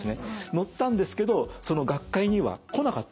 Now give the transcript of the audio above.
載ったんですけどその学会には来なかったんです。